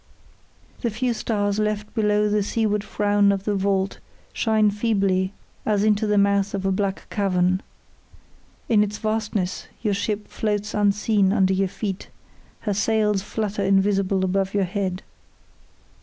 The few stars left below the seaward frown of the vault shine feebly as into the mouth of a black cavern. In its vastness your ship floats unseen under your feet, her sails flutter invisible above your head.